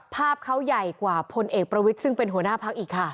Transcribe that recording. ภาพเขาใหญ่กว่าพลเอกประวิทย์ซึ่งเป็นหัวหน้าพักอีกค่ะ